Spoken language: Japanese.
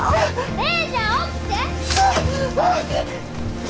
姉ちゃん起きて！